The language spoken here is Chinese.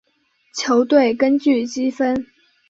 球队根据积分。